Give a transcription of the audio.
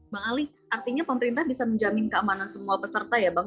bang ali artinya pemerintah bisa menjamin keamanan semua peserta ya bang